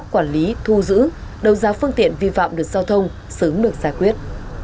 quản lý thu giữ đầu giá phương tiện vi phạm được giao thông sớm được giải quyết